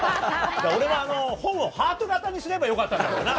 俺も、本をハート形にすればよかったのかな。